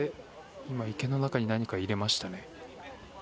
今、池の中に何か入れましたね。